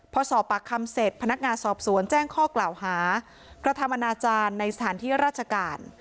พอสอบปากคำเสร็จพนักงานสอบสวนแจ้งข้อกล่าวหากระทำอนาจารย์ในสถานที่ราชการ